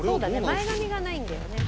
前髪がないんだよね。